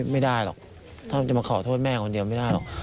ไม่ได้หรอกถ้าจะมาขอโทษแม่คนเดียวไม่ได้หรอก